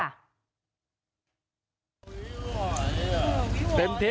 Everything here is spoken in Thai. หยุดน้อย